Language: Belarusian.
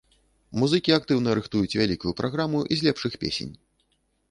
Музыкі актыўна рыхтуюць вялікую праграму з лепшых песень.